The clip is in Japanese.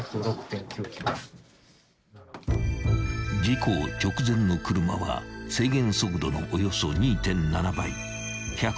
［事故直前の車は制限速度のおよそ２．７倍］